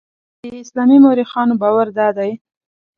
د اسلامي مورخانو باور دادی.